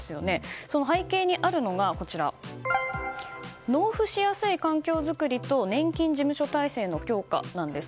背景にあるのが納付しやすい環境作りと年金事務所体制の強化です。